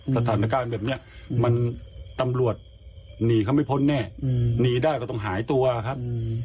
สถานการณ์แบบนี้มันตำรวจหนีเขาไม่พ้นแน่หนีได้ก็ต้องหายตัวครับ